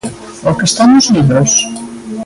O que está nos libros?